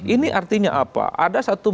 ini artinya apa ada satu